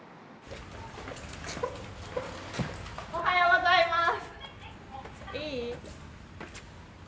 おはようございます。